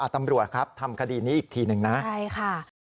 ตำรวจครับทำคดีนี้อีกทีหนึ่งนะใช่ค่ะ